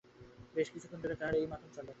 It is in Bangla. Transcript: বেশ কিছুক্ষণ ধরে তাঁর এই মাতম চলে।